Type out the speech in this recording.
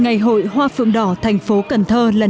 ngày hội hoa phượng đỏ thành phố cần thơ năm hai nghìn một mươi bảy